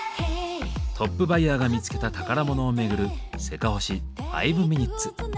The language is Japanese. トップバイヤーが見つけた宝物を巡る「せかほし５ｍｉｎ．」。